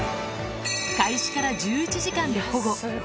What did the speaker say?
開始から１１時間で保護。